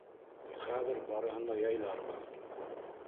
Хәҙер барыһын да яйларбыҙ...